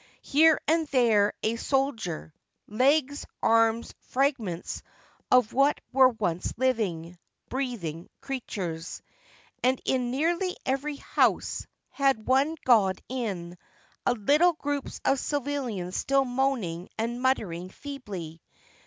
Here and there a soldier ; legs, arms, fragments of what were once living, breathing creatures. And in nearly every house, had one gone in, little groups of civilians still moaning and mutter ing feebly.